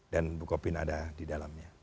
dan bukopin ada di dalamnya